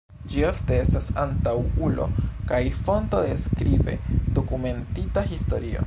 Ĝi ofte estas antaŭulo kaj fonto de skribe dokumentita historio.